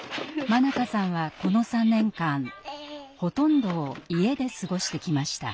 愛華さんはこの３年間ほとんどを家で過ごしてきました。